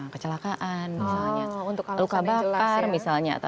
kecelakaan misalnya untuk luka bakar misalnya